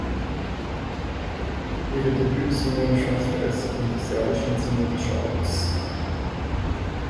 Ihre Debüt-Single schaffte es in die serbischen Singles-Charts.